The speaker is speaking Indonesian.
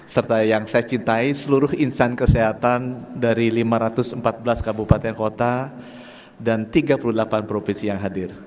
serta yang saya cintai seluruh insan kesehatan dari lima ratus empat belas kabupaten kota dan tiga puluh delapan provinsi yang hadir